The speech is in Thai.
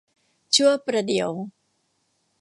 ชั่วประเดี๋ยว